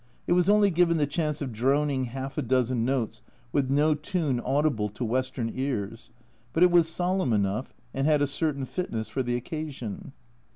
It was only given the chance of droning half a dozen notes with no tune audible to Western ears, but it was solemn enough, and had a certain fitness for the occasion.